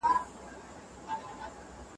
بې اتفاقي کورونه ورانوي.